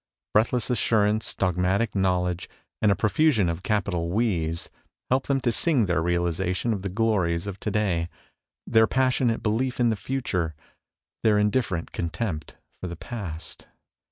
Breathless assurance, dogmatic knowledge, and a profusion of capital " we " s help them to sing their realization of the glories of to day, their passionate belief in the future, their indifferent contempt for the past.